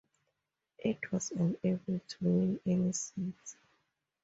It was unable to win any seats.